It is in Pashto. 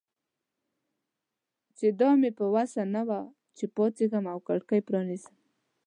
چې دا مې په وسه نه وه چې پاڅېږم او کړکۍ پرانیزم.